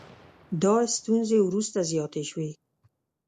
دا ستونزې وروسته زیاتې شوې